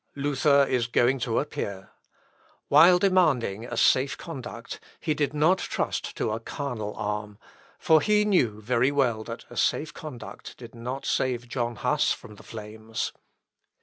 Luther is going to appear. While demanding a safe conduct, he did not trust to a carnal arm; for he knew very well that a safe conduct did not save John Huss from the flames.